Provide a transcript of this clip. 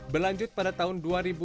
berlanjut pada tahun dua ribu dua puluh